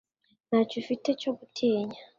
Ntacyo ufite cyo gutinya.